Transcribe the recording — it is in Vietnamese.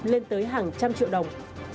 lên tới hàng trăm triệu đồng